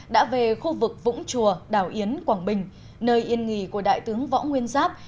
đã về khu vực vũng chùa đảo yến quảng bình nơi yên nghỉ của đại tướng võ nguyên giáp